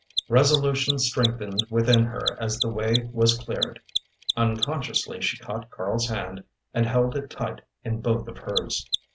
Resolution strengthened within her as the way was cleared. Unconsciously she caught Karl's hand and held it tight in both of hers.